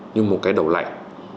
như một cái đầu lạnh